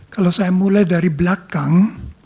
kalau saya mulai dari belakang